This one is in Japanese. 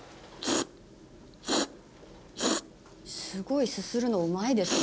すごいすするのうまいですね。